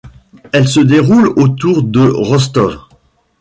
Elle se déroule autour de Rostov.